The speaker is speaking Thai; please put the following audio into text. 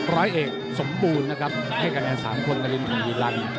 ร้อยเอกสมบูรณ์นะครับให้กระแนน๓คนกระลิ่นของยิรันดิ์